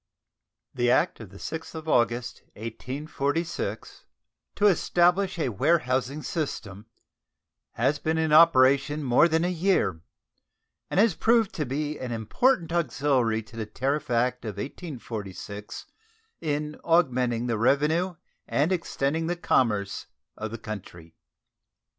The act of the 6th of August, 1846, "to establish a warehousing system," has been in operation more than a year, and has proved to be an important auxiliary to the tariff act of 1846 in augmenting the revenue and extending the commerce of the country.